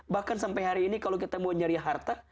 bahkan sampai hari ini kalau kita mau nyari harta